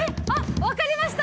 分かりました！